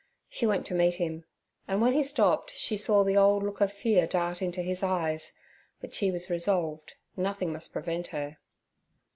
She went to meet him, and when he stopped she saw the old look of fear dart into his eyes, but she was resolved nothing must prevent her.